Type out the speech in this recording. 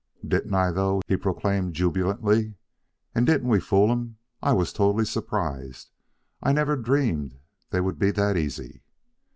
"Didn't I, though!" he proclaimed jubilantly. "And didn't we fool'em! I was totally surprised. I never dreamed they would be that easy.